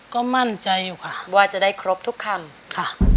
ก็มั่นใจอยู่ค่ะว่าจะได้ครบทุกคำค่ะ